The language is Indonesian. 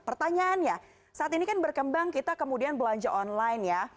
pertanyaannya saat ini kan berkembang kita kemudian belanja online ya